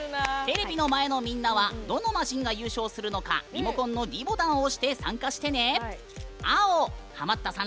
テレビの前のみんなはどのマシーンが優勝するのかリモコンのｄボタンを押して参加してね。